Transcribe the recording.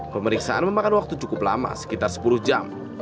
pemeriksaan memakan waktu cukup lama sekitar sepuluh jam